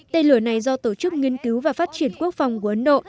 tên lửa này do tổ chức nghiên cứu và phát triển quốc phòng của ấn độ